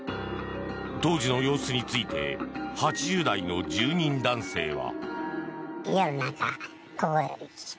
当時の様子について８０代の住人男性は。